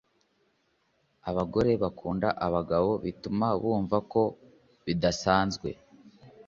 Abagore bakunda abagabo bituma bumva ko badasanzwe